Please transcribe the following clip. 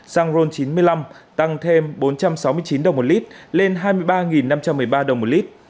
xăng ron chín mươi năm tăng thêm bốn trăm sáu mươi chín đồng một lít lên hai mươi ba năm trăm một mươi ba đồng một lít